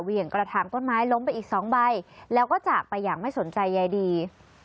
เหยียงกระถางต้นไม้ล้มไปอีกสองใบแล้วก็จากไปอย่างไม่สนใจใยดี